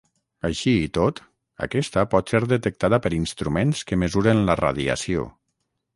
Així i tot, aquesta pot ser detectada per instruments que mesuren la radiació.